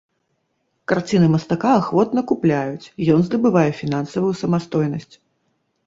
Карціны мастака ахвотна купляюць, ён здабывае фінансавую самастойнасць.